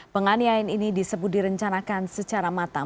penganiayaan ini disebut direncanakan secara matang